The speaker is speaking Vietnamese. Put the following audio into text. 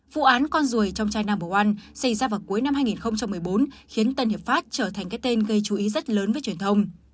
vụ án con ruồi trong chai nam bộ oan xảy ra vào cuối năm hai nghìn một mươi bốn khiến tân hiệp pháp trở thành cái tên gây chú ý rất lớn với truyền thông